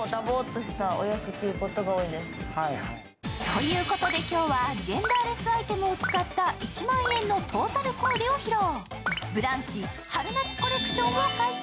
ということで今日はジェンダーレスアイテムを使って１万円のトータルコーデを披露。